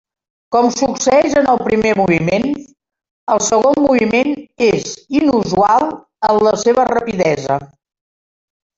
Com succeeix en el primer moviment, el segon moviment és inusual en la seva rapidesa.